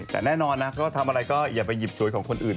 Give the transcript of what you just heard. แต่แน่นอนนะก็ทำอะไรก็อย่าไปหยิบสวยของคนอื่น